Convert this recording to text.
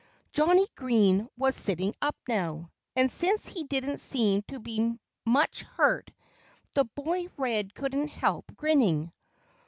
Johnnie Green was sitting up now. And since he didn't seem to be much hurt the boy Red couldn't help grinning.